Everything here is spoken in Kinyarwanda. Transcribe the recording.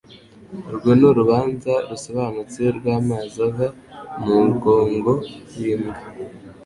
Urwo ni urubanza rusobanutse rw "amazi ava mu mugongo w'imbwa ".